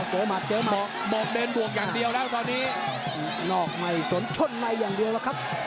หมัดเจอหมัดบอกเดินบวกอย่างเดียวแล้วตอนนี้นอกไม่สนชนในอย่างเดียวแล้วครับ